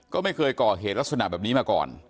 ก็ไม่เคยก่อเหตุลักษณะแบบนี้มาก่อน